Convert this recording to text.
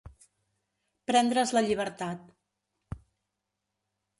Prendre's la llibertat.